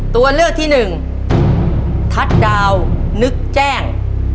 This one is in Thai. ตัวเลือกที่หนึ่งทัศน์ดาวนึกแจ้ง